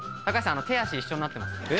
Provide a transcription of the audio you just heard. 高橋さん手足一緒になってます。